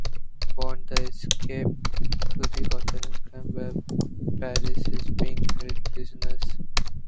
Bond then escapes to the "Hotel Atlantic", where Paris is being held prisoner.